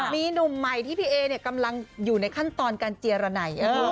มีหนุ่มใหม่ที่พี่เอกำลังอยู่ในขั้นตอนการเจรนัย